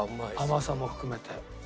甘さも含めて。